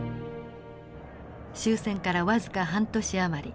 終戦から僅か半年余り。